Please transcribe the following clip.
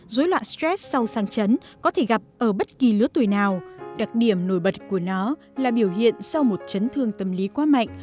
dối loạn stress sau sang chấn có thể gặp ở bất kỳ lứa tuổi nào đặc điểm nổi bật của nó là biểu hiện sau một chấn thương tâm lý quá mạnh